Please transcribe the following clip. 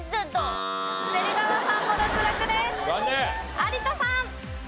有田さん。